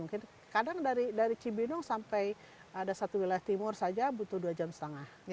mungkin kadang dari cibinong sampai ada satu wilayah timur saja butuh dua jam setengah